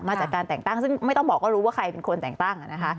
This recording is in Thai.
จากการแต่งตั้งซึ่งไม่ต้องบอกว่ารู้ว่าใครเป็นคนแต่งตั้ง